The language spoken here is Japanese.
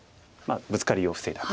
ブツカリを防いだと。